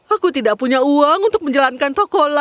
aku tidak punya uang untuk menjalankan tokoh lainnya